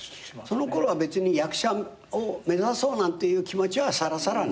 そのころは別に役者を目指そうなんて気持ちはさらさらなかった？